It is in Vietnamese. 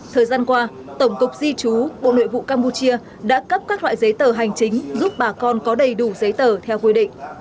thời gian qua tổng cục di chú bộ nội vụ campuchia đã cấp các loại giấy tờ hành chính giúp bà con có đầy đủ giấy tờ theo quy định